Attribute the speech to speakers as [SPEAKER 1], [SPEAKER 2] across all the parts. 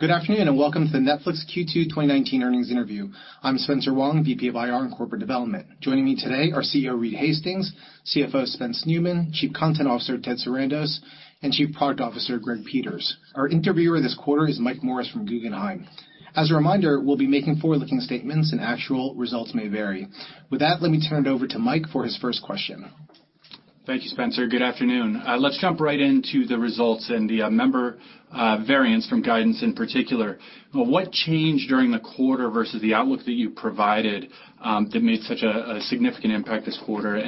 [SPEAKER 1] Good afternoon, welcome to the Netflix Q2 2019 earnings interview. I'm Spencer Wang, VP of IR and Corporate Development. Joining me today are CEO Reed Hastings, CFO Spencer Neumann, Chief Content Officer Ted Sarandos, and Chief Product Officer Greg Peters. Our interviewer this quarter is Mike Morris from Guggenheim. As a reminder, we'll be making forward-looking statements, and actual results may vary. With that, let me turn it over to Mike for his first question.
[SPEAKER 2] Thank you, Spencer. Good afternoon. Let's jump right into the results and the member variance from guidance in particular. What changed during the quarter versus the outlook that you provided that made such a significant impact this quarter?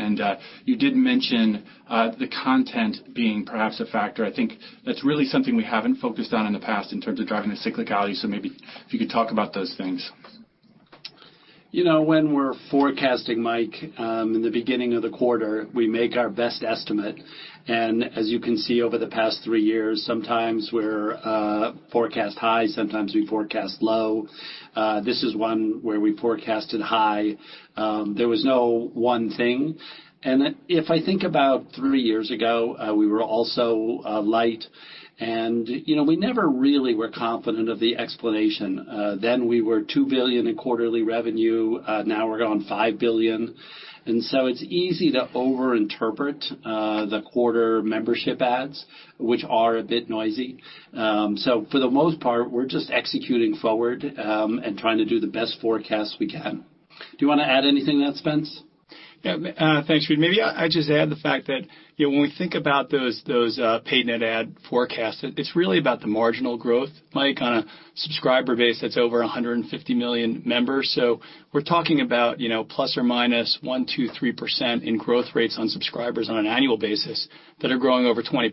[SPEAKER 2] You did mention the content being perhaps a factor. I think that's really something we haven't focused on in the past in terms of driving the cyclicality. Maybe if you could talk about those things.
[SPEAKER 3] When we're forecasting, Mike, in the beginning of the quarter, we make our best estimate. As you can see, over the past three years, sometimes we forecast high, sometimes we forecast low. This is one where we forecasted high. There was no one thing, and if I think about three years ago, we were also light, and we never really were confident of the explanation. We were $2 billion in quarterly revenue. Now we're on $5 billion, it's easy to over-interpret the quarter membership adds, which are a bit noisy. For the most part, we're just executing forward and trying to do the best forecasts we can. Do you want to add anything to that, Spence?
[SPEAKER 4] Yeah. Thanks, Reed. Maybe I just add the fact that when we think about those paid net add forecasts, it's really about the marginal growth, Mike, on a subscriber base that's over 150 million members. We're talking about plus or minus 1%, 2%, 3% in growth rates on subscribers on an annual basis that are growing over 20%.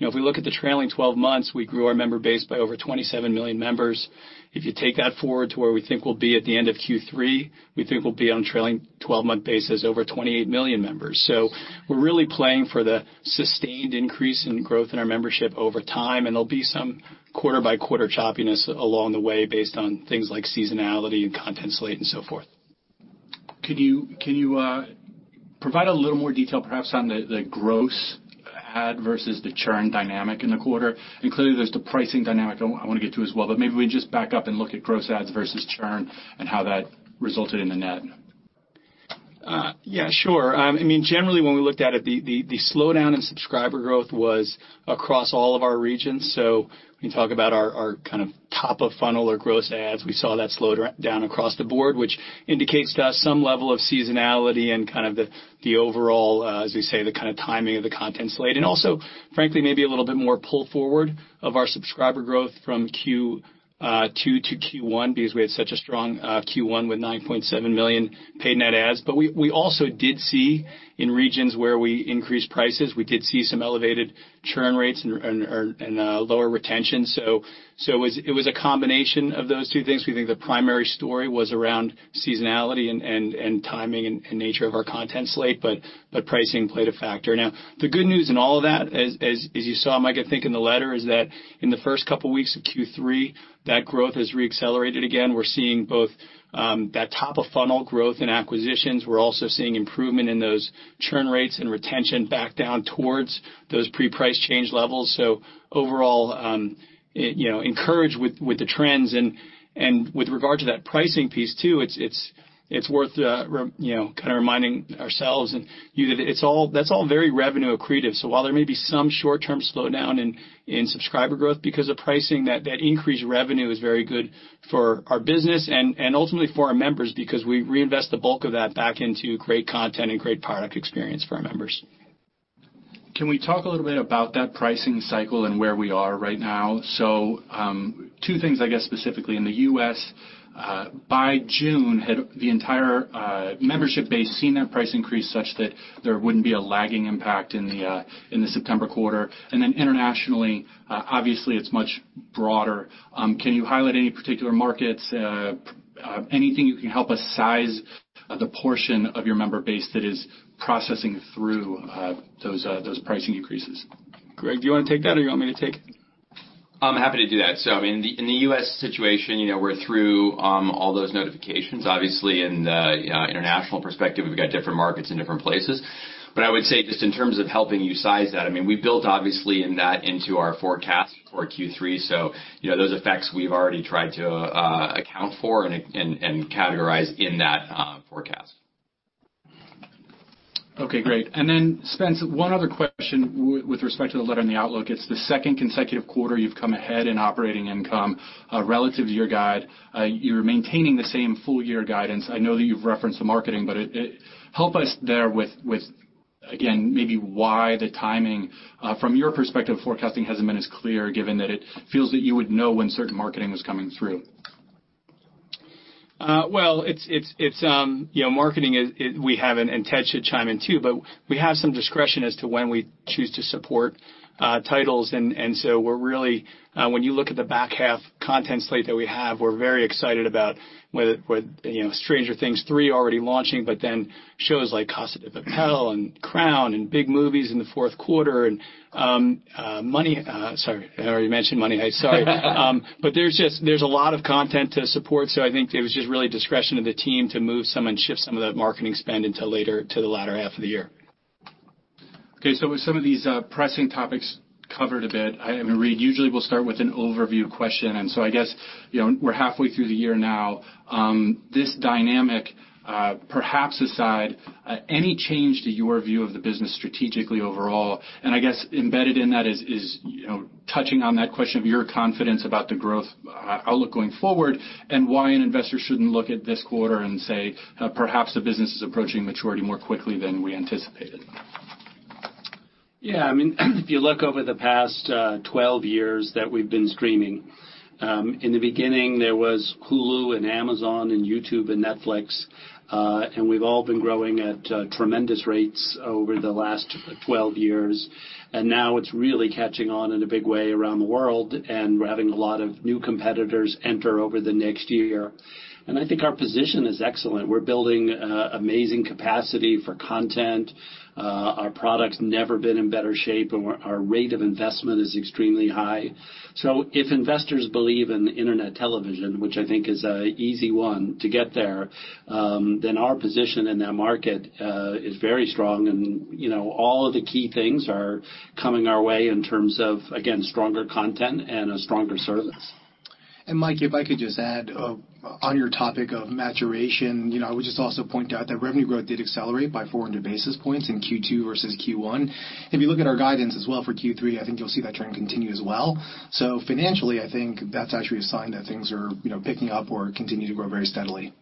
[SPEAKER 4] If we look at the trailing 12 months, we grew our member base by over 27 million members. If you take that forward to where we think we'll be at the end of Q3, we think we'll be on a trailing 12-month basis, over 28 million members. We're really planning for the sustained increase in growth in our membership over time, and there'll be some quarter-by-quarter choppiness along the way based on things like seasonality and content slate and so forth.
[SPEAKER 2] Can you provide a little more detail, perhaps, on the gross add versus the churn dynamic in the quarter? Clearly, there's the pricing dynamic I want to get to as well, but maybe we just back up and look at gross adds versus churn and how that resulted in the net.
[SPEAKER 4] Yeah, sure. Generally, when we looked at it, the slowdown in subscriber growth was across all of our regions. When you talk about our top of funnel or gross adds, we saw that slow down across the board, which indicates to us some level of seasonality and the overall, as we say, the timing of the content slate. Also, frankly, maybe a little bit more pull forward of our subscriber growth from Q2 to Q1 because we had such a strong Q1 with $9.7 million paid net adds. We also did see in regions where we increased prices, we did see some elevated churn rates and lower retention. It was a combination of those two things. We think the primary story was around seasonality and timing and nature of our content slate. Pricing played a factor. The good news in all of that, as you saw, Mike, I think in the letter, is that in the first couple of weeks of Q3, that growth has re-accelerated again. We're seeing both that top of funnel growth in acquisitions. We're also seeing improvement in those churn rates and retention back down towards those pre-price change levels. Overall, encouraged with the trends and with regard to that pricing piece too, it's worth reminding ourselves and you that that's all very revenue accretive. While there may be some short-term slowdown in subscriber growth because of pricing, that increased revenue is very good for our business and ultimately for our members because we reinvest the bulk of that back into great content and great product experience for our members.
[SPEAKER 2] Can we talk a little bit about that pricing cycle and where we are right now? Two things, I guess specifically in the U.S. By June, had the entire membership base seen that price increase such that there wouldn't be a lagging impact in the September quarter? Then internationally, obviously it's much broader. Can you highlight any particular markets? Anything you can help us size the portion of your member base that is processing through those pricing increases.
[SPEAKER 4] Greg, do you want to take that, or do you want me to take it?
[SPEAKER 5] I'm happy to do that. In the U.S. situation, we're through all those notifications. In the international perspective, we've got different markets in different places. I would say just in terms of helping you size that, we built obviously in that into our forecast for Q3. Those effects we've already tried to account for and categorize in that forecast.
[SPEAKER 2] Okay, great. Spence, one other question with respect to the letter in the outlook. It's the second consecutive quarter you've come ahead in operating income relative to your guide. You're maintaining the same full year guidance. I know that you've referenced the marketing, help us there with, again, maybe why the timing from your perspective, forecasting hasn't been as clear given that it feels that you would know when certain marketing was coming through.
[SPEAKER 4] Well, marketing. Ted should chime in too. We have some discretion as to when we choose to support titles. When you look at the back half content slate that we have, we're very excited about "Stranger Things" 3 already launching, shows like "La Casa de Papel" and "The Crown" and big movies in the fourth quarter, and "Money Heist." Sorry, I already mentioned "Money Heist." Sorry. There's a lot of content to support. I think it was just really discretion of the team to move some and shift some of that marketing spend into later to the latter half of the year.
[SPEAKER 2] Okay. With some of these pressing topics covered a bit, I am going to read. Usually we'll start with an overview question. I guess, we're halfway through the year now. This dynamic perhaps aside, any change to your view of the business strategically overall, and I guess embedded in that is touching on that question of your confidence about the growth outlook going forward and why an investor shouldn't look at this quarter and say, "Perhaps the business is approaching maturity more quickly than we anticipated.
[SPEAKER 3] Yeah. If you look over the past 12 years that we've been streaming, in the beginning, there was Hulu and Amazon and YouTube and Netflix. We've all been growing at tremendous rates over the last 12 years. Now it's really catching on in a big way around the world, and we're having a lot of new competitors enter over the next year. I think our position is excellent. We're building amazing capacity for content. Our product's never been in better shape, and our rate of investment is extremely high. If investors believe in internet television, which I think is an easy one to get there, then our position in that market is very strong and all of the key things are coming our way in terms of, again, stronger content and a stronger service.
[SPEAKER 1] Mike, if I could just add on your topic of maturation, I would just also point out that revenue growth did accelerate by 400 basis points in Q2 versus Q1. If you look at our guidance as well for Q3, I think you'll see that trend continue as well. Financially, I think that's actually a sign that things are picking up or continue to grow very steadily.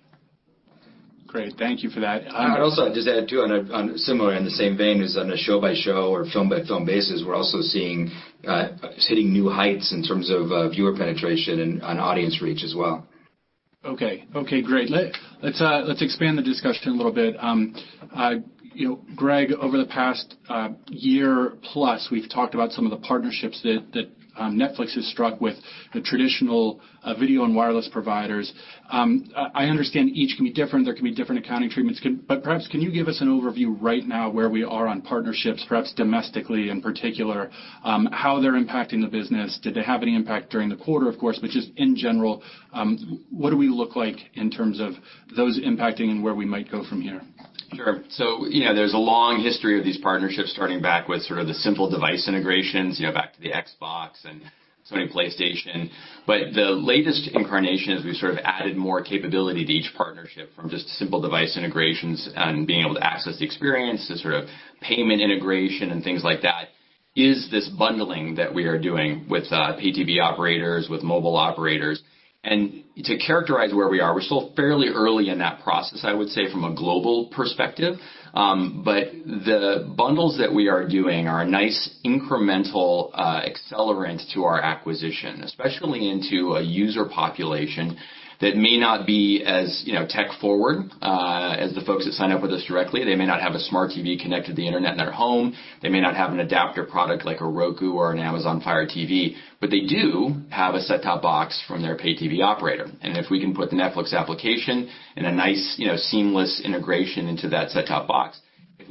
[SPEAKER 2] Great. Thank you for that.
[SPEAKER 5] I would also just add, too, on a similar, in the same vein, is on a show-by-show or film-by-film basis, we're also seeing us hitting new heights in terms of viewer penetration and on audience reach as well.
[SPEAKER 2] Okay. Great. Let's expand the discussion a little bit. Greg, over the past year plus, we've talked about some of the partnerships that Netflix has struck with the traditional video and wireless providers. I understand each can be different, there can be different accounting treatments. Perhaps, can you give us an overview right now where we are on partnerships, perhaps domestically in particular, how they're impacting the business? Did they have any impact during the quarter, of course, just in general, what do we look like in terms of those impacting and where we might go from here?
[SPEAKER 5] Sure. There's a long history of these partnerships starting back with sort of the simple device integrations, back to the Xbox and Sony PlayStation. The latest incarnation, as we've sort of added more capability to each partnership from just simple device integrations and being able to access the experience to sort of payment integration and things like that, is this bundling that we are doing with pay TV operators, with mobile operators. To characterize where we are, we're still fairly early in that process, I would say, from a global perspective. The bundles that we are doing are a nice incremental accelerant to our acquisition, especially into a user population that may not be as tech forward as the folks that sign up with us directly. They may not have a smart TV connected to the internet in their home. They may not have an adapter product like a Roku or an Amazon Fire TV. They do have a set-top box from their pay TV operator. If we can put the Netflix application in a nice, seamless integration into that set-top box,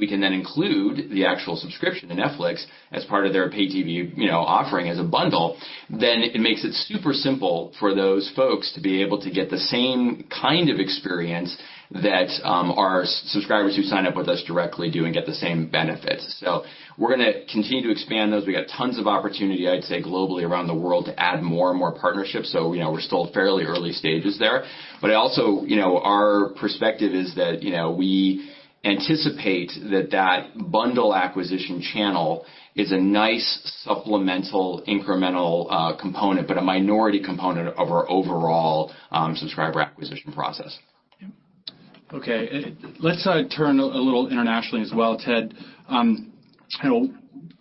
[SPEAKER 5] if we can then include the actual subscription to Netflix as part of their pay TV offering as a bundle, then it makes it super simple for those folks to be able to get the same kind of experience that our subscribers who sign up with us directly do and get the same benefits. We're going to continue to expand those. We got tons of opportunity, I'd say, globally around the world to add more and more partnerships. We're still at fairly early stages there. Also, our perspective is that we anticipate that that bundle acquisition channel is a nice supplemental incremental component, but a minority component of our overall subscriber acquisition process.
[SPEAKER 2] Okay. Let's turn a little internationally as well, Ted.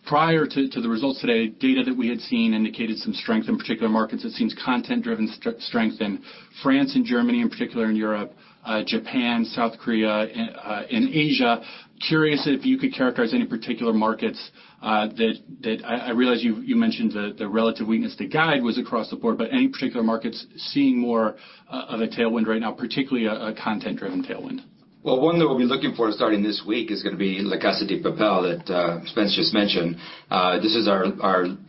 [SPEAKER 2] Prior to the results today, data that we had seen indicated some strength in particular markets. It seems content-driven strength in France and Germany in particular in Europe, Japan, South Korea, in Asia. Curious if you could characterize any particular markets that I realize you mentioned the relative weakness to guide was across the board, any particular markets seeing more of a tailwind right now, particularly a content-driven tailwind?
[SPEAKER 6] Well, one that we'll be looking for starting this week is going to be La Casa de Papel that Spence just mentioned. This is our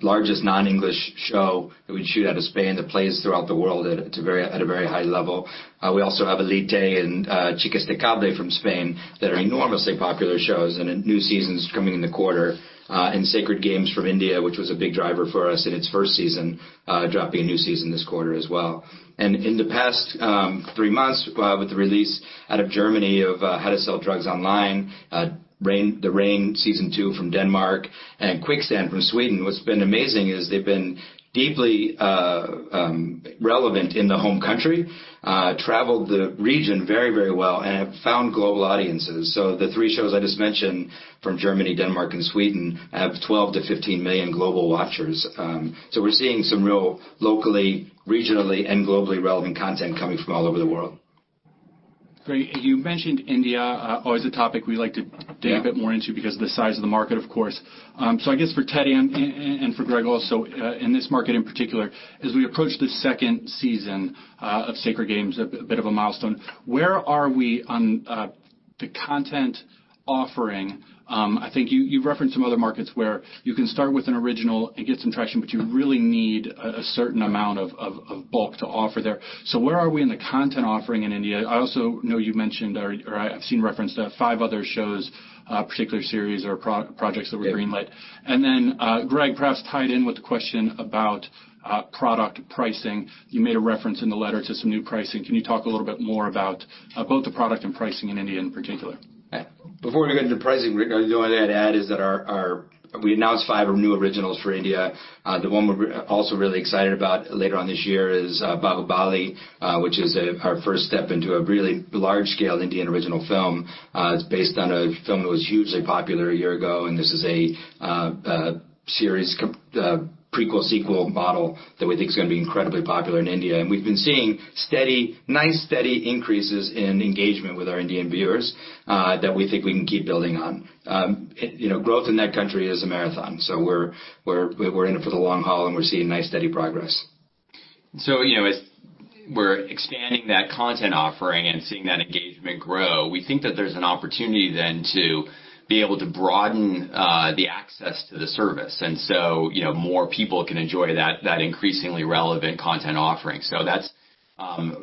[SPEAKER 6] largest non-English show that we shoot out of Spain that plays throughout the world at a very high level. We also have Elite and Chicas de Cable from Spain that are enormously popular shows, a new season's coming in the quarter. Sacred Games from India, which was a big driver for us in its first season, dropping a new season this quarter as well. In the past three months, with the release out of Germany of How to Sell Drugs Online, The Rain season 2 from Denmark, and Quicksand from Sweden, what's been amazing is they've been deeply relevant in the home country, traveled the region very well, and have found global audiences. The three shows I just mentioned from Germany, Denmark, and Sweden have 12 million-15 million global watchers. We're seeing some real locally, regionally, and globally relevant content coming from all over the world.
[SPEAKER 2] Great. You mentioned India, always a topic we like to dig a bit more into because of the size of the market, of course. I guess for Ted and for Greg also, in this market in particular, as we approach the second season of "Sacred Games," a bit of a milestone, where are we on the content offering, I think you referenced some other markets where you can start with an original and get some traction, but you really need a certain amount of bulk to offer there. Where are we in the content offering in India? I also know you've mentioned, or I've seen reference to five other shows, particular series or projects that were green-lit. Greg, perhaps tied in with the question about product pricing. You made a reference in the letter to some new pricing. Can you talk a little bit more about both the product and pricing in India in particular?
[SPEAKER 6] Before we get into pricing, Greg the only thing I'd add is that we announced five new originals for India. The one we're also really excited about later on this year is, "Baahubali," which is our first step into a really large-scale Indian original film. It's based on a film that was hugely popular a year ago, and this is a series, prequel-sequel model that we think is going to be incredibly popular in India. We've been seeing nice steady increases in engagement with our Indian viewers that we think we can keep building on. Growth in that country is a marathon, we're in it for the long haul, and we're seeing nice, steady progress.
[SPEAKER 5] As we're expanding that content offering and seeing that engagement grow, we think that there's an opportunity then to be able to broaden the access to the service. More people can enjoy that increasingly relevant content offering. That's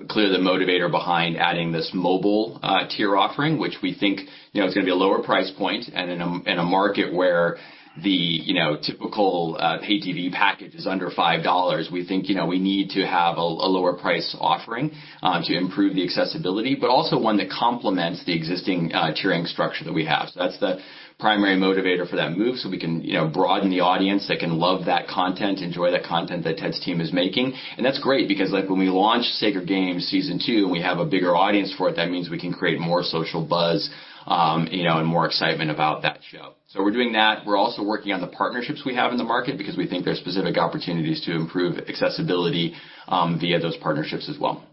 [SPEAKER 5] clearly the motivator behind adding this mobile tier offering, which we think is going to be a lower price point. In a market where the typical pay TV package is under $5, we think we need to have a lower price offering to improve the accessibility, but also one that complements the existing tiering structure that we have. That's the primary motivator for that move, so we can broaden the audience that can love that content, enjoy the content that Ted's team is making. That's great because when we launch Sacred Games Season 2, and we have a bigger audience for it, that means we can create more social buzz and more excitement about that show. We're doing that. We're also working on the partnerships we have in the market because we think there's specific opportunities to improve accessibility via those partnerships as well.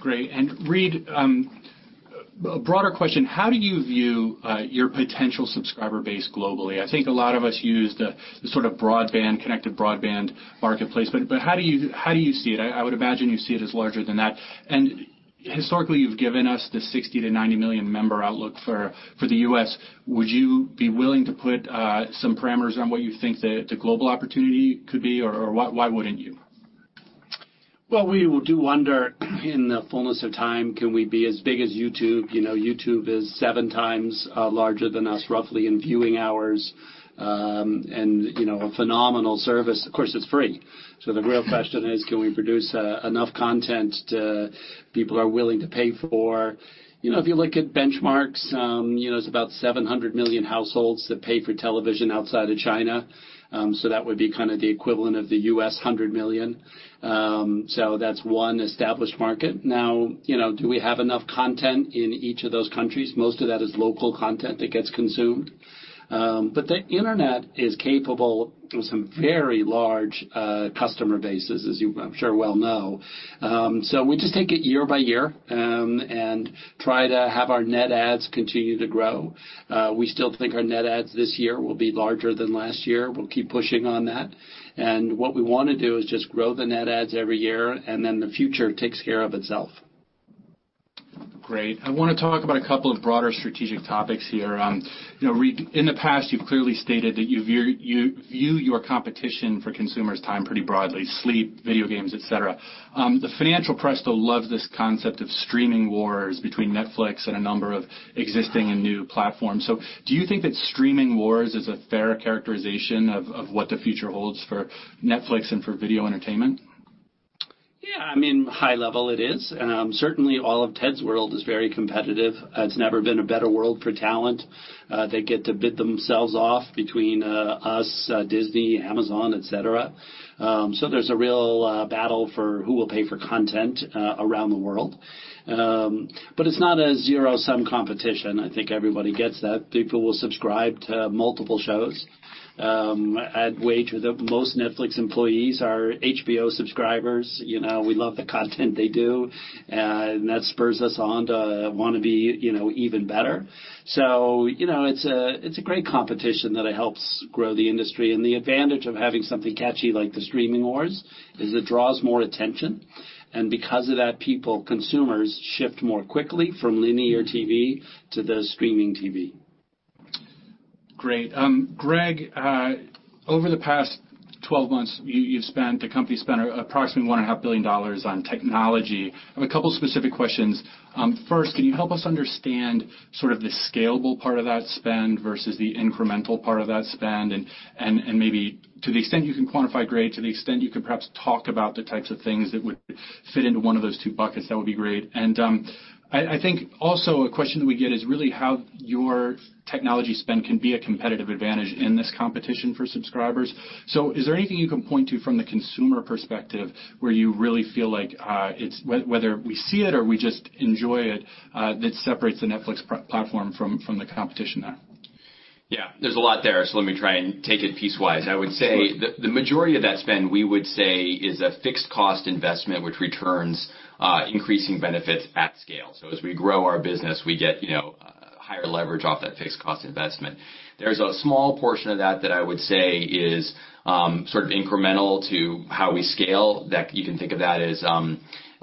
[SPEAKER 2] Great. Reed, a broader question. How do you view your potential subscriber base globally? I think a lot of us use the sort of connected broadband marketplace. How do you see it? I would imagine you see it as larger than that. Historically, you've given us the 60 million-90 million member outlook for the U.S. Would you be willing to put some parameters on what you think the global opportunity could be, or why wouldn't you?
[SPEAKER 3] Well, we do wonder in the fullness of time, can we be as big as YouTube? YouTube is seven times larger than us, roughly, in viewing hours. A phenomenal service. Of course, it's free. The real question is can we produce enough content people are willing to pay for? If you look at benchmarks, there's about 700 million households that pay for television outside of China. That would be kind of the equivalent of the U.S. 100 million. That's one established market. Now, do we have enough content in each of those countries? Most of that is local content that gets consumed. The internet is capable of some very large customer bases, as you I'm sure well know. We just take it year by year and try to have our net adds continue to grow. We still think our net adds this year will be larger than last year. We'll keep pushing on that. What we want to do is just grow the net adds every year, and then the future takes care of itself.
[SPEAKER 2] Great. I want to talk about a couple of broader strategic topics here. Reed, in the past, you've clearly stated that you view your competition for consumers' time pretty broadly, sleep, video games, et cetera. The financial press though loves this concept of streaming wars between Netflix and a number of existing and new platforms. Do you think that streaming wars is a fair characterization of what the future holds for Netflix and for video entertainment?
[SPEAKER 3] Yeah. I mean, high level it is. Certainly, all of Ted's world is very competitive. It's never been a better world for talent. They get to bid themselves off between us, Disney, Amazon, et cetera. There's a real battle for who will pay for content around the world. It's not a zero-sum competition. I think everybody gets that. People will subscribe to multiple shows. I'd wager that most Netflix employees are HBO subscribers. We love the content they do, and that spurs us on to want to be even better. It's a great competition that helps grow the industry. The advantage of having something catchy like the streaming wars is it draws more attention. Because of that, people, consumers, shift more quickly from linear TV to the streaming TV.
[SPEAKER 2] Great. Greg, over the past 12 months, the company spent approximately $1.5 billion on technology. I have a couple specific questions. First, can you help us understand sort of the scalable part of that spend versus the incremental part of that spend, and maybe to the extent you can quantify, Greg, to the extent you can perhaps talk about the types of things that would fit into one of those two buckets, that would be great. I think also a question that we get is really how your technology spend can be a competitive advantage in this competition for subscribers. Is there anything you can point to from the consumer perspective where you really feel like, whether we see it or we just enjoy it, that separates the Netflix platform from the competition there?
[SPEAKER 5] Yeah. There's a lot there, so let me try and take it piecewise.
[SPEAKER 2] Of course.
[SPEAKER 5] I would say the majority of that spend, we would say is a fixed cost investment which returns increasing benefits at scale. As we grow our business, we get higher leverage off that fixed cost investment. There's a small portion of that I would say is sort of incremental to how we scale, that you can think of that as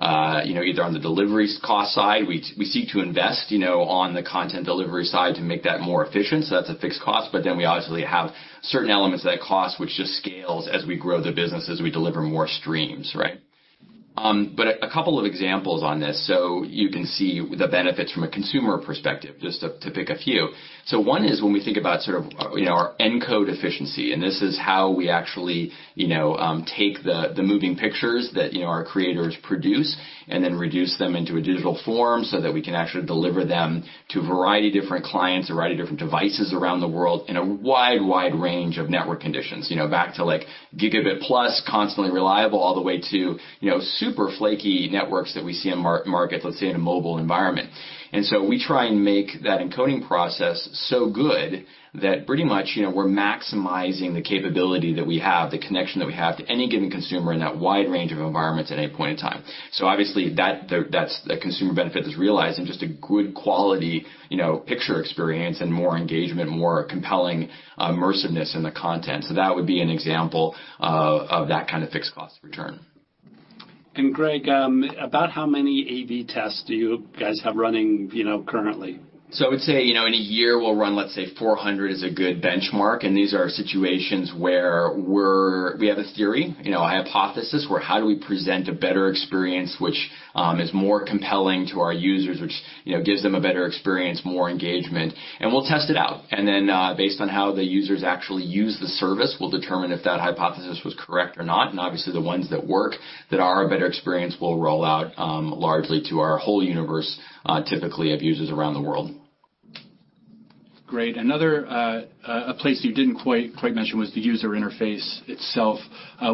[SPEAKER 5] either on the delivery cost side. We seek to invest on the content delivery side to make that more efficient, so that's a fixed cost. We obviously have certain elements of that cost, which just scales as we grow the business, as we deliver more streams, right? A couple of examples on this, so you can see the benefits from a consumer perspective, just to pick a few. One is when we think about our encode efficiency, and this is how we actually take the moving pictures that our creators produce and then reduce them into a digital form so that we can actually deliver them to a variety of different clients, a variety of different devices around the world in a wide range of network conditions. Back to gigabit plus, constantly reliable, all the way to super flaky networks that we see in markets, let's say in a mobile environment. We try and make that encoding process so good that pretty much, we're maximizing the capability that we have, the connection that we have to any given consumer in that wide range of environments at any point in time. Obviously, the consumer benefit is realized in just a good quality picture experience and more engagement, more compelling immersiveness in the content. That would be an example of that kind of fixed cost return.
[SPEAKER 2] Greg, about how many A/B tests do you guys have running currently?
[SPEAKER 5] I would say, in a year we'll run, let's say, 400 is a good benchmark, these are situations where we have a theory, a hypothesis where how do we present a better experience which is more compelling to our users, which gives them a better experience, more engagement, and we'll test it out. Then, based on how the users actually use the service, we'll determine if that hypothesis was correct or not. Obviously the ones that work, that are a better experience will roll out, largely to our whole universe, typically of users around the world.
[SPEAKER 2] Great. Another place you didn't quite mention was the user interface itself.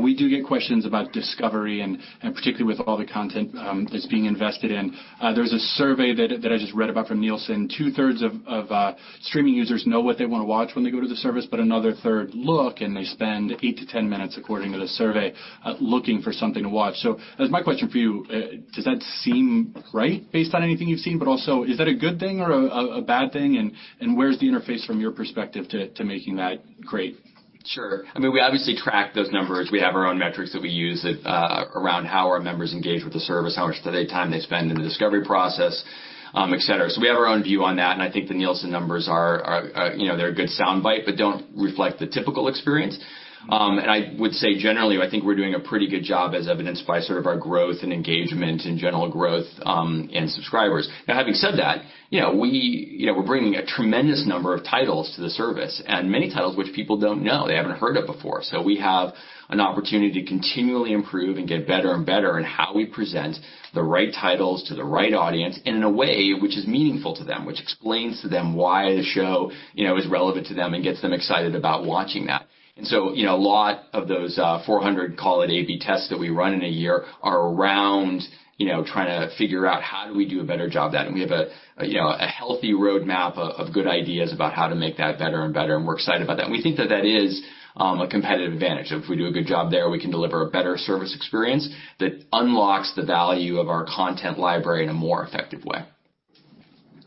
[SPEAKER 2] We do get questions about discovery and particularly with all the content that's being invested in. There's a survey that I just read about from Nielsen. Two-thirds of streaming users know what they want to watch when they go to the service, but another third look, and they spend eight to 10 minutes according to the survey, looking for something to watch. That was my question for you. Does that seem right based on anything you've seen, but also is that a good thing or a bad thing and where's the interface from your perspective to making that great?
[SPEAKER 5] Sure. We obviously track those numbers. We have our own metrics that we use around how our members engage with the service, how much time they spend in the discovery process, et cetera. We have our own view on that, I think the Nielsen numbers are a good soundbite, but don't reflect the typical experience. I would say generally, I think we're doing a pretty good job as evidenced by sort of our growth and engagement and general growth, and subscribers. Now, having said that, we're bringing a tremendous number of titles to the service and many titles which people don't know. They haven't heard of before. We have an opportunity to continually improve and get better and better in how we present the right titles to the right audience and in a way which is meaningful to them. Which explains to them why the show is relevant to them and gets them excited about watching that. A lot of those 400 call it A/B tests that we run in a year are around trying to figure out how do we do a better job of that. We have a healthy roadmap of good ideas about how to make that better and better, and we're excited about that. We think that that is a competitive advantage. If we do a good job there, we can deliver a better service experience that unlocks the value of our content library in a more effective way.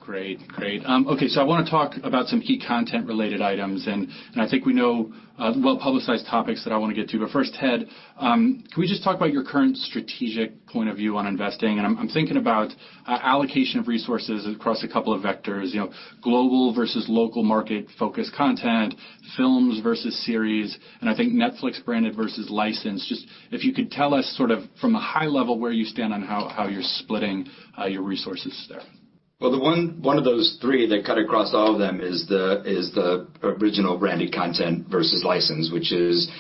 [SPEAKER 2] Great. Okay. I want to talk about some key content-related items, and I think we know well-publicized topics that I want to get to. First, Ted, can we just talk about your current strategic point of view on investing? I'm thinking about allocation of resources across a couple of vectors, global versus local market-focused content, films versus series, and I think Netflix branded versus licensed. Just if you could tell us sort of from a high level where you stand on how you're splitting your resources there.
[SPEAKER 6] Well, one of those three that cut across all of them is the original branded content versus licensed, which is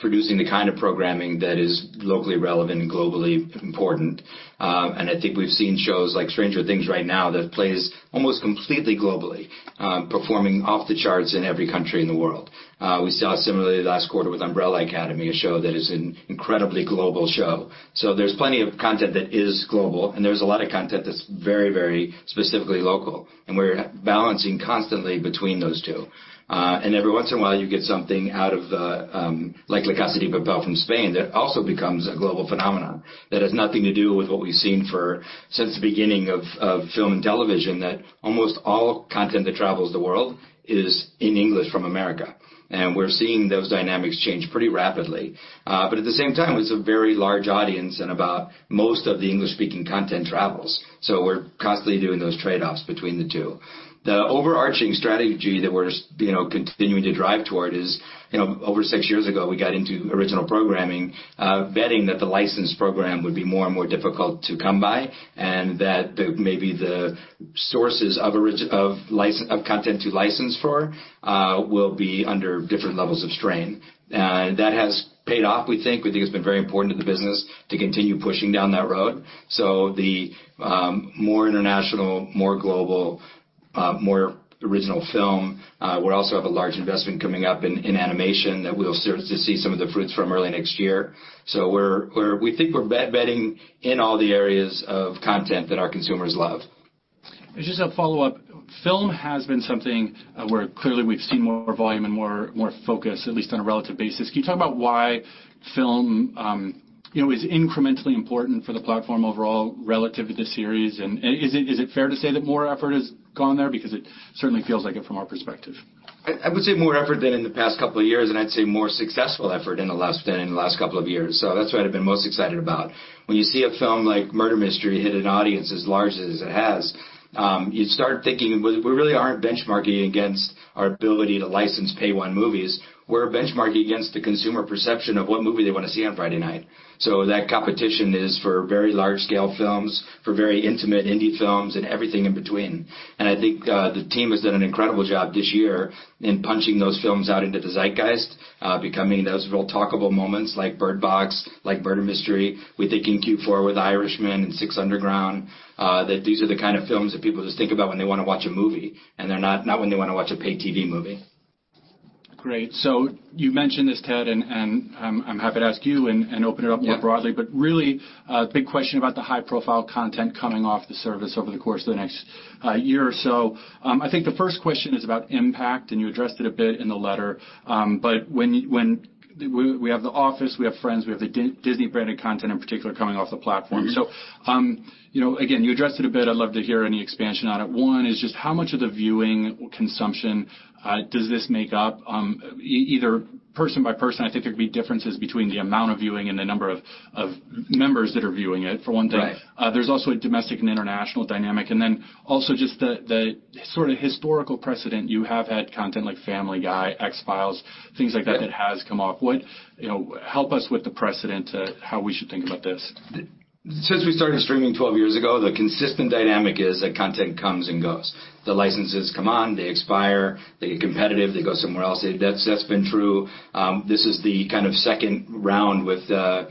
[SPEAKER 6] producing the kind of programming that is locally relevant and globally important. I think we've seen shows like "Stranger Things" right now that plays almost completely globally, performing off the charts in every country in the world. We saw similarly last quarter with "The Umbrella Academy," a show that is an incredibly global show. There's plenty of content that is global, and there's a lot of content that's very specifically local, and we're balancing constantly between those two. Every once in a while, you get something out of the, like "La Casa de Papel" from Spain, that also becomes a global phenomenon that has nothing to do with what we've seen since the beginning of film and television, that almost all content that travels the world is in English from America. We're seeing those dynamics change pretty rapidly. At the same time, it's a very large audience, and about most of the English-speaking content travels. We're constantly doing those trade-offs between the two. The overarching strategy that we're continuing to drive toward is over six years ago, we got into original programming, vetting that the licensed program would be more and more difficult to come by, and that maybe the sources of content to license for will be under different levels of strain. That has paid off, we think. We think it's been very important to the business to continue pushing down that road. The more international, more global, more original film. We also have a large investment coming up in animation that we'll start to see some of the fruits from early next year. We think we're betting in all the areas of content that our consumers love.
[SPEAKER 2] Just a follow-up. Film has been something where clearly we've seen more volume and more focus, at least on a relative basis. Can you talk about why film is incrementally important for the platform overall relative to the series? Is it fair to say that more effort has gone there? It certainly feels like it from our perspective.
[SPEAKER 6] I would say more effort than in the past couple of years, and I'd say more successful effort than in the last couple of years. That's what I've been most excited about. When you see a film like "Murder Mystery" hit an audience as large as it has, you start thinking, we really aren't benchmarking against our ability to license pay one movies. We're benchmarking against the consumer perception of what movie they want to see on Friday night. That competition is for very large-scale films, for very intimate indie films, and everything in between. I think the team has done an incredible job this year in punching those films out into the zeitgeist, becoming those real talkable moments like "Bird Box," like "Murder Mystery." We think in Q4 with "Irishman" and "6 Underground," that these are the kind of films that people just think about when they want to watch a movie, and they're not when they want to watch a paid TV movie.
[SPEAKER 2] Great. You mentioned this, Ted, and I'm happy to ask you and open it up more broadly.
[SPEAKER 6] Yeah.
[SPEAKER 2] Really a big question about the high-profile content coming off the service over the course of the next year or so. I think the first question is about impact, and you addressed it a bit in the letter. We have The Office, we have Friends, we have the Disney-branded content in particular coming off the platform. Again, you addressed it a bit. I'd love to hear any expansion on it. One, is just how much of the viewing consumption does this make up? Either person by person, I think there'd be differences between the amount of viewing and the number of members that are viewing it, for one thing.
[SPEAKER 6] Right.
[SPEAKER 2] There's also a domestic and international dynamic, and then also just the historical precedent. You have had content like Family Guy, X-Files, things like that has come off.
[SPEAKER 6] Yeah.
[SPEAKER 2] Help us with the precedent to how we should think about this.
[SPEAKER 6] Since we started streaming 12 years ago, the consistent dynamic is that content comes and goes. The licenses come on, they expire, they get competitive, they go somewhere else. That's been true. This is the kind of second round with the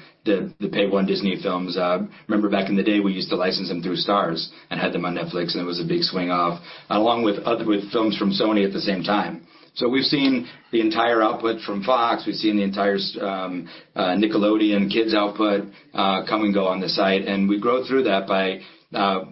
[SPEAKER 6] pay one Disney films. Remember back in the day, we used to license them through Starz and had them on Netflix, and it was a big swing off, along with films from Sony at the same time. We've seen the entire output from Fox. We've seen the entire Nickelodeon kids output come and go on the site, we grow through that by,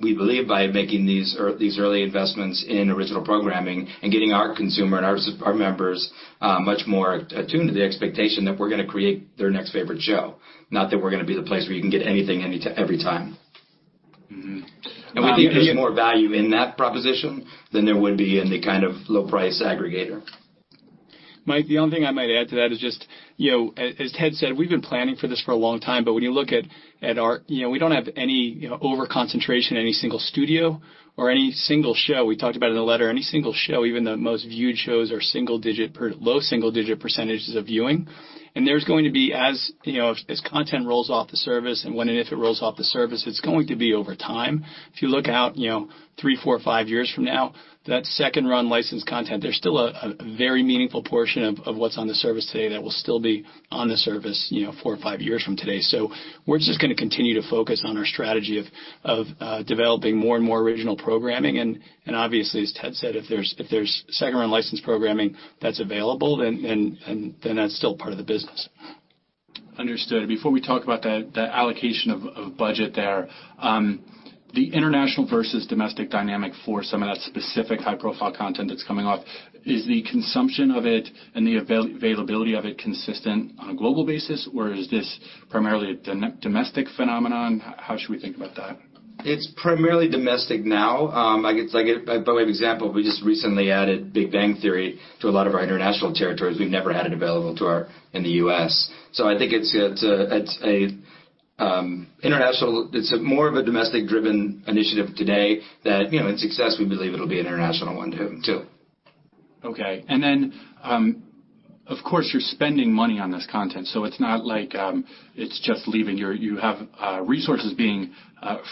[SPEAKER 6] we believe, by making these early investments in original programming and getting our consumer and our members much more attuned to the expectation that we're going to create their next favorite show, not that we're going to be the place where you can get anything every time. We think there's more value in that proposition than there would be in the kind of low-price aggregator.
[SPEAKER 4] Mike, the only thing I might add to that is just, as Ted said, we've been planning for this for a long time. When you look at, we don't have any over-concentration in any single studio or any single show. We talked about in the letter, any single show, even the most viewed shows are low single-digit percentages of viewing. There's going to be, as content rolls off the service and when and if it rolls off the service, it's going to be over time. If you look out three, four, five years from now, that second-run licensed content, there's still a very meaningful portion of what's on the service today that will still be on the service four or five years from today. We're just going to continue to focus on our strategy of developing more and more original programming, and obviously, as Ted said, if there's second-run licensed programming that's available, then that's still part of the business.
[SPEAKER 2] Understood. Before we talk about the allocation of budget there, the international versus domestic dynamic for some of that specific high-profile content that's coming off, is the consumption of it and the availability of it consistent on a global basis, or is this primarily a domestic phenomenon? How should we think about that?
[SPEAKER 6] It's primarily domestic now. By way of example, we just recently added Big Bang Theory to a lot of our international territories. We've never had it available in the U.S. I think it's more of a domestic-driven initiative today that, in success, we believe it'll be an international one too.
[SPEAKER 2] Okay. Of course, you're spending money on this content, so it's not like it's just leaving. You have resources being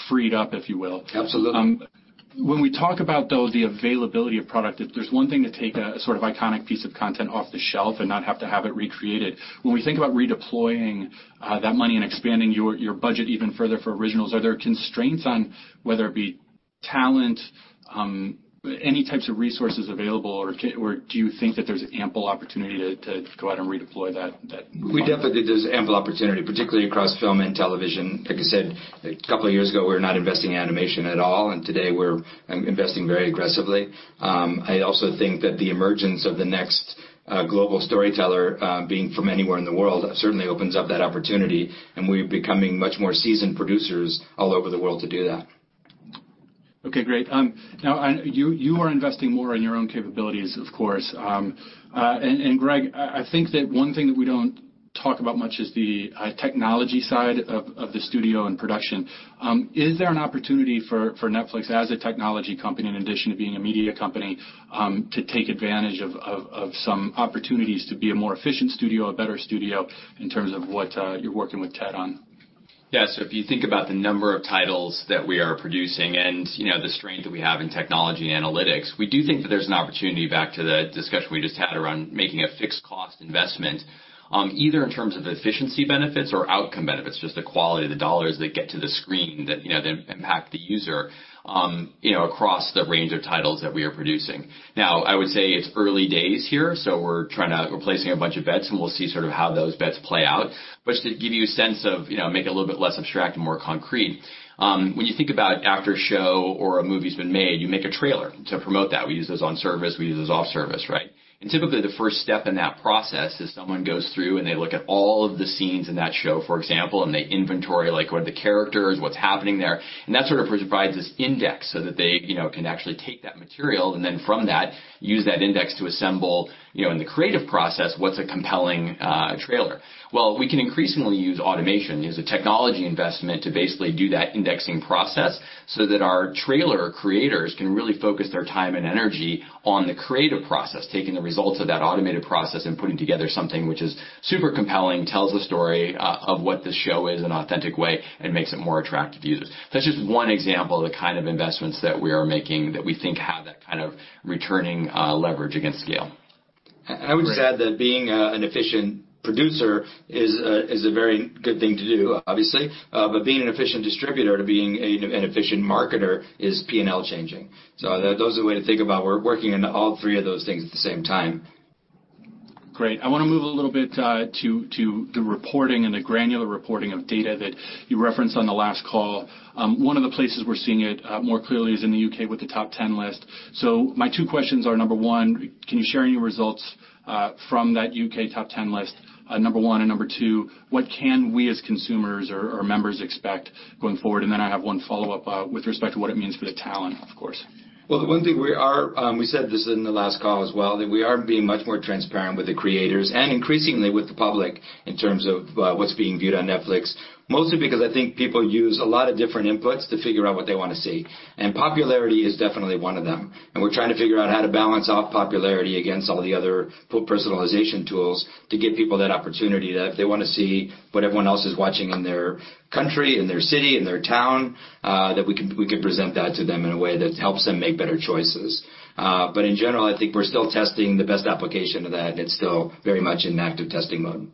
[SPEAKER 2] freed up, if you will.
[SPEAKER 6] Absolutely.
[SPEAKER 2] When we talk about, though, the availability of product, there's one thing to take a sort of iconic piece of content off the shelf and not have to have it recreated. When we think about redeploying that money and expanding your budget even further for originals, are there constraints on whether it be talent, any types of resources available, or do you think that there's ample opportunity to go out and redeploy that money?
[SPEAKER 6] We definitely think there's ample opportunity, particularly across film and television. Like I said, a couple of years ago, we were not investing in animation at all, and today we're investing very aggressively. I also think that the emergence of the next global storyteller being from anywhere in the world certainly opens up that opportunity, and we're becoming much more seasoned producers all over the world to do that.
[SPEAKER 2] Okay, great. Now, you are investing more in your own capabilities, of course. Greg, I think that one thing that we don't talk about much is the technology side of the studio and production. Is there an opportunity for Netflix as a technology company, in addition to being a media company, to take advantage of some opportunities to be a more efficient studio, a better studio in terms of what you're working with Ted on?
[SPEAKER 5] Yes. If you think about the number of titles that we are producing and the strength that we have in technology analytics, we do think that there's an opportunity back to the discussion we just had around making a fixed cost investment, either in terms of efficiency benefits or outcome benefits, just the quality of the dollars that get to the screen that impact the user across the range of titles that we are producing. I would say it's early days here, so we're placing a bunch of bets, and we'll see how those bets play out. Just to give you a sense of, make it a little bit less abstract and more concrete, when you think about after a show or a movie's been made, you make a trailer to promote that. We use those on service, we use those off service, right? Typically, the first step in that process is someone goes through and they look at all of the scenes in that show, for example, and they inventory what are the characters, what's happening there. That sort of provides this index so that they can actually take that material, and then from that, use that index to assemble, in the creative process, what's a compelling trailer. Well, we can increasingly use automation, use the technology investment to basically do that indexing process so that our trailer creators can really focus their time and energy on the creative process, taking the results of that automated process and putting together something which is super compelling, tells the story of what the show is in an authentic way, and makes it more attractive to users. That's just one example of the kind of investments that we are making that we think have that kind of returning leverage against scale.
[SPEAKER 6] I would just add that being an efficient producer is a very good thing to do, obviously. Being an efficient distributor to being an efficient marketer is P&L changing. Those are the way to think about we're working on all three of those things at the same time.
[SPEAKER 2] Great. I want to move a little bit to the reporting and the granular reporting of data that you referenced on the last call. One of the places we're seeing it more clearly is in the U.K. with the top 10 list. My two questions are, number one, can you share any results from that U.K. top 10 list, number one, and number two, what can we as consumers or members expect going forward? Then I have one follow-up with respect to what it means for the talent, of course.
[SPEAKER 6] Well, the one thing we said this in the last call as well, that we are being much more transparent with the creators and increasingly with the public in terms of what's being viewed on Netflix, mostly because I think people use a lot of different inputs to figure out what they want to see. Popularity is definitely one of them. We're trying to figure out how to balance off popularity against all the other full personalization tools to give people that opportunity that if they want to see what everyone else is watching in their country, in their city, in their town, that we could present that to them in a way that helps them make better choices. In general, I think we're still testing the best application of that, and it's still very much in active testing mode.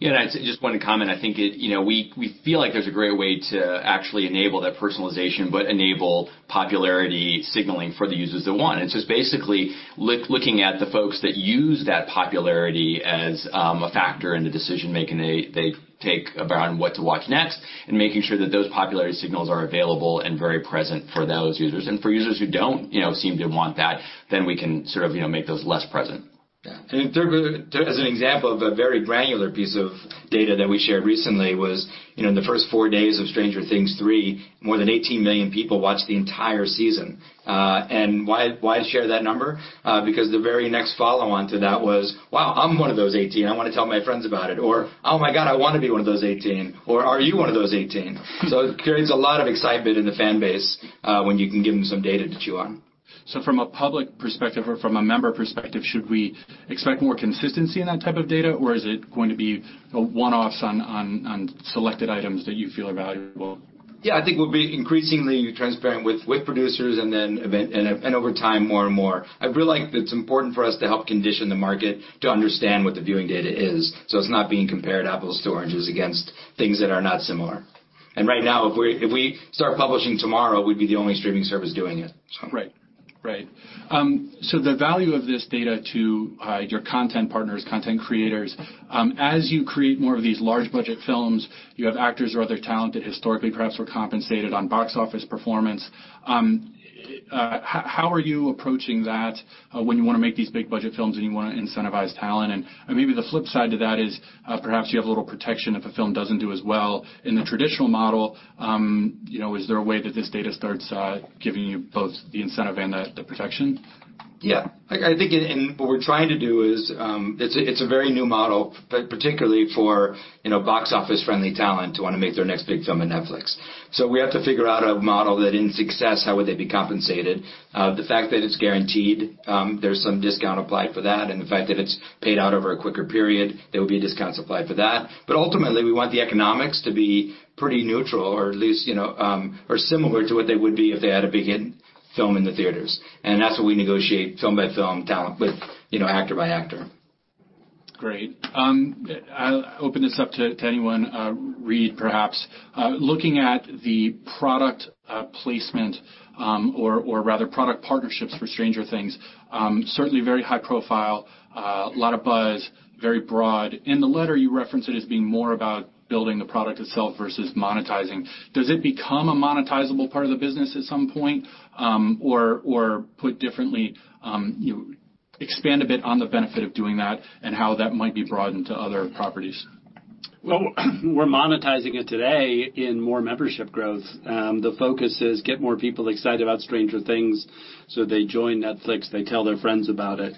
[SPEAKER 5] Yeah, I just want to comment, I think we feel like there's a great way to actually enable that personalization, but enable popularity signaling for the users that want it. It's basically looking at the folks that use that popularity as a factor in the decision-making they take around what to watch next, and making sure that those popularity signals are available and very present for those users. For users who don't seem to want that, then we can sort of make those less present.
[SPEAKER 6] Yeah. As an example of a very granular piece of data that we shared recently was, in the first four days of "Stranger Things 3," more than 18 million people watched the entire season. Why share that number? Because the very next follow-on to that was, "Wow, I'm one of those 18, I want to tell my friends about it," or, "Oh my God, I want to be one of those 18," or, "Are you one of those 18?" It creates a lot of excitement in the fan base when you can give them some data to chew on.
[SPEAKER 2] From a public perspective or from a member perspective, should we expect more consistency in that type of data, or is it going to be one-offs on selected items that you feel are valuable?
[SPEAKER 6] I think we'll be increasingly transparent with producers and then over time, more and more. I feel like it's important for us to help condition the market to understand what the viewing data is so it's not being compared apples to oranges against things that are not similar. Right now, if we start publishing tomorrow, we'd be the only streaming service doing it.
[SPEAKER 2] Right. The value of this data to your content partners, content creators, as you create more of these large budget films, you have actors or other talent that historically perhaps were compensated on box office performance. How are you approaching that when you want to make these big budget films and you want to incentivize talent? Maybe the flip side to that is perhaps you have a little protection if a film doesn't do as well in the traditional model. Is there a way that this data starts giving you both the incentive and the protection?
[SPEAKER 6] Yeah. I think what we're trying to do is, it's a very new model, particularly for box office-friendly talent to want to make their next big film at Netflix. We have to figure out a model that in success, how would they be compensated? The fact that it's guaranteed, there's some discount applied for that, and the fact that it's paid out over a quicker period, there will be discounts applied for that. Ultimately, we want the economics to be pretty neutral or at least similar to what they would be if they had a big hit film in the theaters. That's what we negotiate film by film, talent with actor by actor.
[SPEAKER 2] Great. I'll open this up to anyone, Reed perhaps. Looking at the product placement or rather product partnerships for "Stranger Things," certainly very high profile, a lot of buzz, very broad. In the letter, you reference it as being more about building the product itself versus monetizing. Does it become a monetizable part of the business at some point? Put differently, expand a bit on the benefit of doing that and how that might be broadened to other properties.
[SPEAKER 3] Well, we're monetizing it today in more membership growth. The focus is get more people excited about "Stranger Things," so they join Netflix, they tell their friends about it.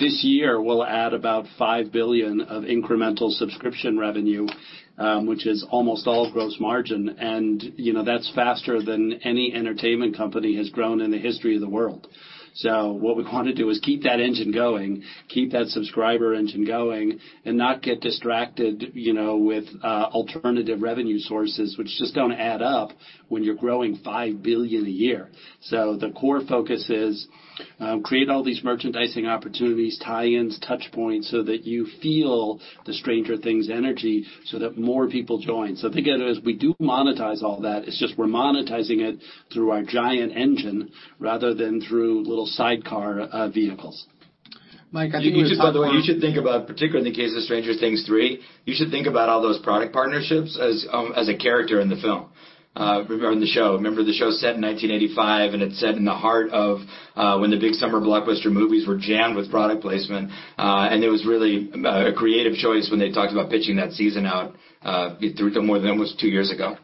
[SPEAKER 3] This year we'll add about $5 billion of incremental subscription revenue, which is almost all gross margin, and that's faster than any entertainment company has grown in the history of the world. What we want to do is keep that engine going, keep that subscriber engine going, and not get distracted with alternative revenue sources, which just don't add up when you're growing $5 billion a year. The core focus is create all these merchandising opportunities, tie-ins, touch points, so that you feel the "Stranger Things" energy so that more people join. Think of it as we do monetize all that, it's just we're monetizing it through our giant engine rather than through little sidecar vehicles.
[SPEAKER 1] Mike, I think we have time for one-
[SPEAKER 6] By the way, you should think about, particularly in the case of "Stranger Things 3," you should think about all those product partnerships as a character in the film or in the show. Remember, the show is set in 1985, and it's set in the heart of when the big summer blockbuster movies were jammed with product placement, and it was really a creative choice when they talked about pitching that season out more than almost two years ago.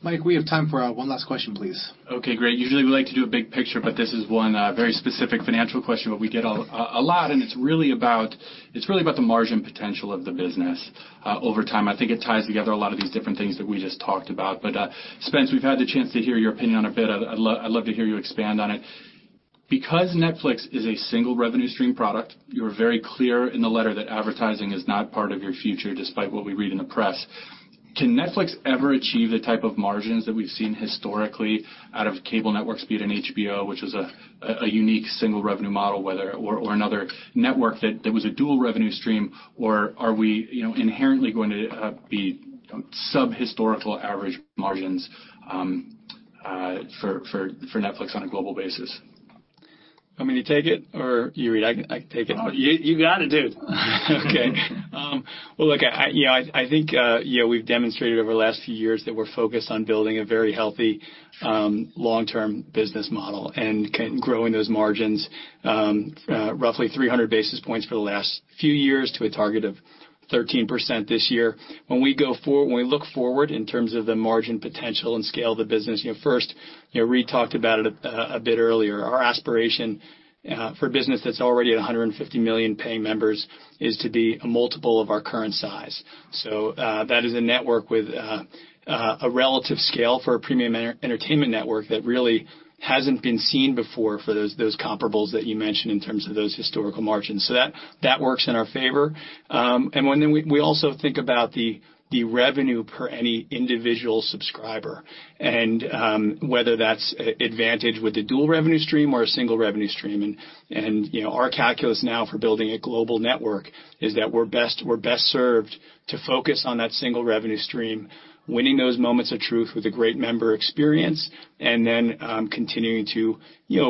[SPEAKER 1] Mike, we have time for one last question, please.
[SPEAKER 2] Okay, great. Usually, we like to do a big picture, this is one very specific financial question that we get a lot, and it's really about the margin potential of the business over time. I think it ties together a lot of these different things that we just talked about. Spence, we've had the chance to hear your opinion on it a bit. I'd love to hear you expand on it. Because Netflix is a single revenue stream product, you were very clear in the letter that advertising is not part of your future, despite what we read in the press. Can Netflix ever achieve the type of margins that we've seen historically out of cable networks be it in HBO, which was a unique single revenue model, or another network that was a dual revenue stream, or are we inherently going to be sub-historical average margins for Netflix on a global basis?
[SPEAKER 4] You want me to take it, or you, Reed? I can take it.
[SPEAKER 6] You got it, dude.
[SPEAKER 4] Well, look, I think we've demonstrated over the last few years that we're focused on building a very healthy, long-term business model and growing those margins roughly 300 basis points for the last few years to a target of 13% this year. When we look forward in terms of the margin potential and scale of the business, first, Reed talked about it a bit earlier. Our aspiration for a business that's already at 150 million paying members is to be a multiple of our current size. That is a network with a relative scale for a premium entertainment network that really hasn't been seen before for those comparables that you mentioned in terms of those historical margins. That works in our favor. Then we also think about the revenue per any individual subscriber, and whether that's advantage with a dual revenue stream or a single revenue stream. Our calculus now for building a global network is that we're best served to focus on that single revenue stream, winning those moments of truth with a great member experience, and then continuing to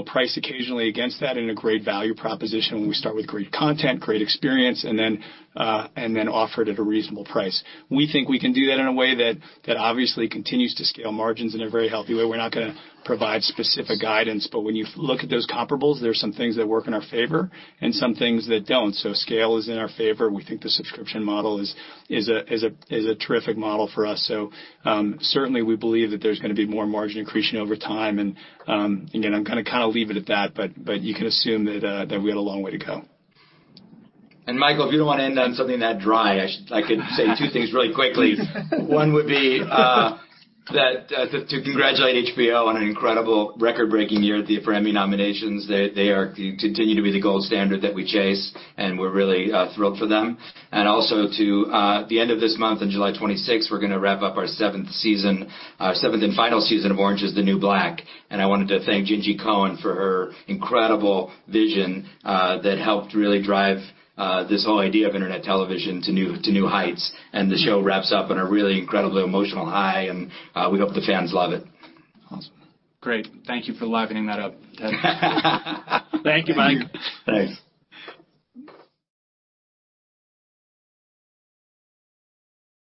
[SPEAKER 4] price occasionally against that in a great value proposition when we start with great content, great experience, and then offer it at a reasonable price. We think we can do that in a way that obviously continues to scale margins in a very healthy way. We're not going to provide specific guidance. When you look at those comparables, there's some things that work in our favor and some things that don't. Scale is in our favor, and we think the subscription model is a terrific model for us. Certainly, we believe that there's going to be more margin accretion over time, and I'm going to kind of leave it at that, but you can assume that we have a long way to go.
[SPEAKER 6] Michael, if you don't want to end on something that dry, I could say two things really quickly. One would be to congratulate HBO on an incredible record-breaking year for Emmy nominations. They continue to be the gold standard that we chase, and we're really thrilled for them. Also at the end of this month, on July 26th, we're going to wrap up our seventh and final season of "Orange Is the New Black," and I wanted to thank Jenji Kohan for her incredible vision that helped really drive this whole idea of internet television to new heights. The show wraps up on a really incredibly emotional high, and we hope the fans love it.
[SPEAKER 4] Awesome.
[SPEAKER 2] Great. Thank you for livening that up, Ted.
[SPEAKER 4] Thank you, Mike.
[SPEAKER 6] Thanks.